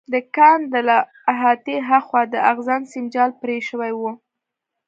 د کان له احاطې هاخوا د اغزن سیم جال پرې شوی و